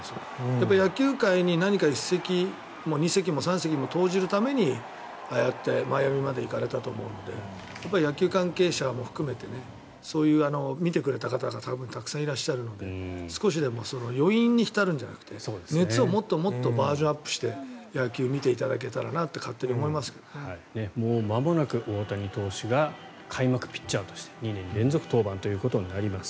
やっぱり野球界に何か一石、二石も三石も投じるためにああやってマイアミまで行かれたと思うので野球関係者も含めてそういう、見てくれた方がたくさんいらっしゃるので少しでも余韻に浸るんじゃなくて熱をもっとバージョンアップして野球を見てくれたらともうまもなく大谷投手が開幕ピッチャーとして２年連続登板となります。